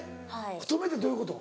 太めってどういうこと？